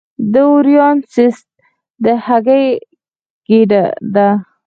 د اووریان سیسټ د هګۍ ګېډه ده.